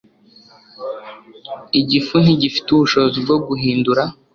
Igifu ntigifite ubushobozi bwo guhindura